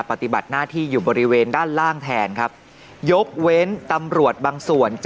ปฏิบัติน่าที่อยู่บริเวณด้านล่าง